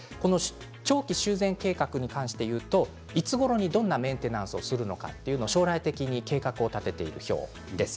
長期修繕計画に関して言うといつごろにどんなメンテナンスをするのかというのを将来的に計画を立てている表です。